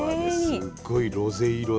すっごいロゼ色で。